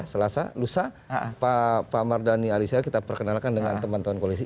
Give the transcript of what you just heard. selasa lusa pak mardhani alisa kita perkenalkan dengan teman teman koalisi